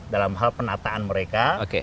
dalam hal penataan mereka